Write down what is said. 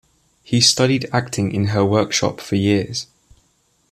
He studied acting in her workshop for years.